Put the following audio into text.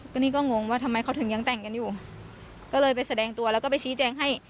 ก็นี่ก็งงว่าทำไมเขาถึงยังแต่งกันอยู่ก็เลยไปแสดงตัวแล้วก็ไปชี้แจงให้